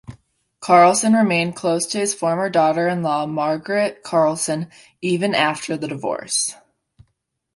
Carlson remained close to his former daughter-in-law Margaret Carlson even after the divorce.